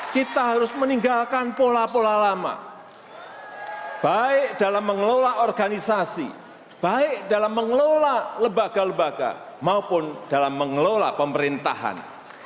kita harus meninggalkan pola pola lama baik dalam mengelola organisasi baik dalam mengelola lembaga lembaga maupun dalam mengelola pemerintahan